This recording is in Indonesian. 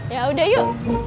ya udah yuk